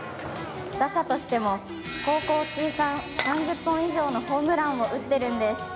打者としても高校通算３０本以上のホームランを打っているんです。